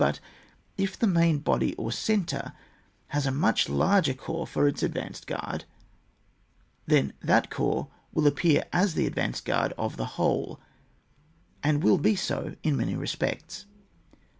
But if the main body or centre has a much larger corps for its advanced guard, then that corps will appear as the advanced guard of the whole, and will be so in many respects.